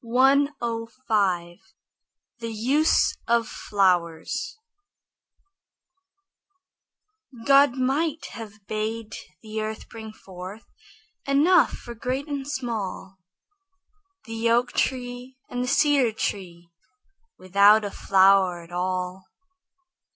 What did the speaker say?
THE USE OF FLOWERS God might have bade the earth bring forth Enough for great and small, The oak tree and the cedar tree, Without a flower at all.